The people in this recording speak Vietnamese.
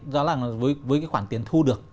đó là với khoản tiền thu được